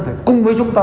phải cùng với chúng ta